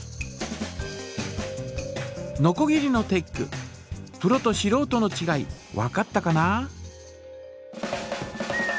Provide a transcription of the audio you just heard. のこぎりのテックプロとしろうとのちがいわかったかな？